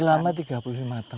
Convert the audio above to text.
selama tiga puluh lima tahun